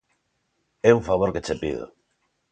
É un favor que che pido.